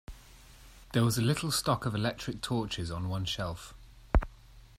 There was a little stock of electric torches on one shelf.